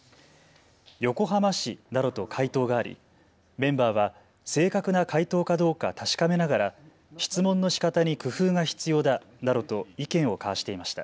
横浜市などと回答がありメンバーは正確な回答かどうか確かめながら質問のしかたに工夫が必要だなどと意見を交わしていました。